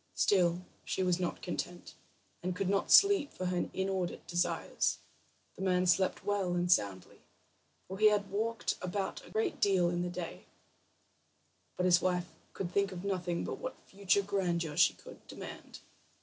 Still she was not content, and could not sleep for her inordinate desires. The man slept well and soundly, for he had walked about a great deal in the day; but his wife could think of nothing but what further grandeur she could demand.